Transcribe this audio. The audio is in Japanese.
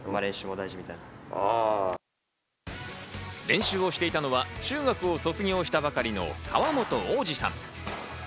練習をしていたのは中学を卒業したばかりの川本大路さん。